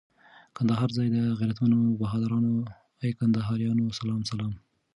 کندهار ځای د غیرتمنو بهادرانو، ای کندهاریانو سلام سلام